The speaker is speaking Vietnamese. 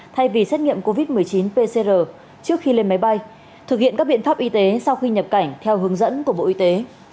thay vì xét nghiệm covid một mươi chín pcr trước khi lên máy bay thực hiện các biện pháp y tế sau khi nhập cảnh theo hướng dẫn của bộ y tế